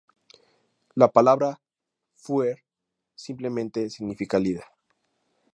La palabra "führer" simplemente significa "líder".